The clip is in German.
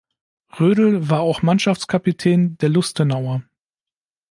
Rödl war auch Mannschaftskapitän der Lustenauer.